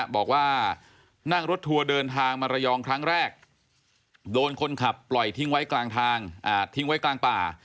บอกว่านั่งรถทัวร์เดินทางมารยองครั้งแรกโดนคนขับปล่อยทิ้งไว้กลางป่า